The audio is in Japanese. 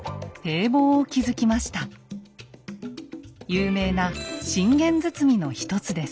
有名な「信玄堤」の一つです。